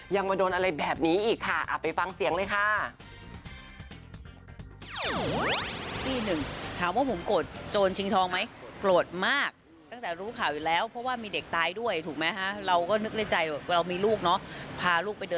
มาโดนอะไรแบบนี้อีกค่ะไปฟังเสียงเลยค่ะ